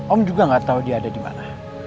om juga gak tau dia ada dimana